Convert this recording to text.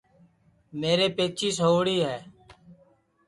میرے پئچیس ہؤڑی ہے